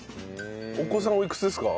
お子さんおいくつですか？